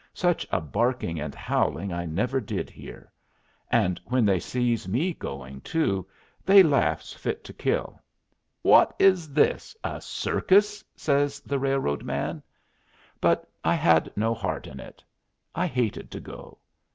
Such a barking and howling I never did hear; and when they sees me going, too, they laughs fit to kill. "Wot is this a circus?" says the railroad man. But I had no heart in it. I hated to go.